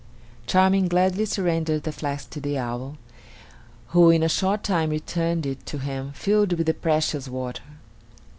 Charming gladly surrendered the flask to the owl, who in a short time returned it to him filled with the precious water.